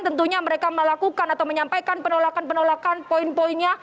tentunya mereka melakukan atau menyampaikan penolakan penolakan poin poinnya